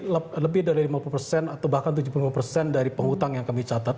nah lebih dari lima puluh atau bahkan tujuh puluh lima dari pengutang yang kami catat